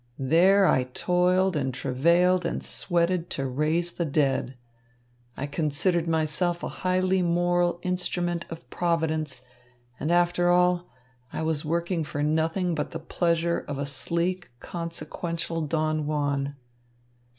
There I toiled and travailed and sweated to raise the dead. I considered myself a highly moral instrument of Providence, and after all, I was working for nothing but the pleasure of a sleek, consequential Don Juan."